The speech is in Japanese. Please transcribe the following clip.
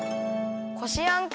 こしあんか。